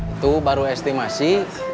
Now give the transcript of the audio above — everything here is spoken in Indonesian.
itu baru estimasi